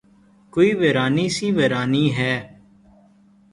کوئی ویرانی سی ویرانی ہے